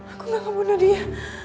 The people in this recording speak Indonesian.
aku gak mau bunuh dia